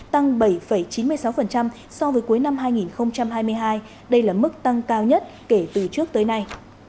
tăng bảy chín mươi sáu so với cuối năm hai nghìn hai mươi hai đây là mức tăng cao nhất kể từ trước tới nay